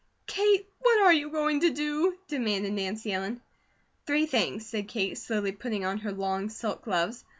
"Kate, what are you going to do?" demanded Nancy Ellen. "Three things," said Kate, slowly putting on her long silk gloves.